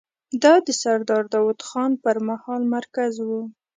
دا د سردار داوود خان پر مهال مرکز و.